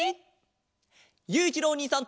ゆういちろうおにいさんと。